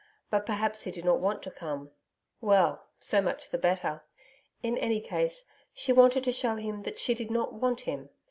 But, perhaps, he did not want to come.... Well, so much the better. In any case, she wanted to show him that she did not want him.